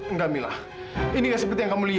enggak milah ini gak seperti yang kamu lihat